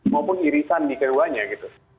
maupun irisan di keduanya gitu